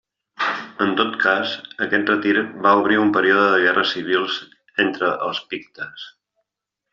En tot cas, aquest retir va obrir un període de guerres civils entre els pictes.